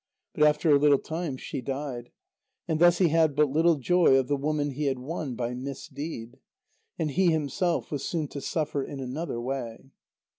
But after a little time, she died. And thus he had but little joy of the woman he had won by misdeed. And he himself was soon to suffer in another way.